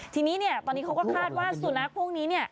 ทีนี้เนี่ยตอนนี้เขาก็คาดว่าสุนัขพวกนี้เนี่ย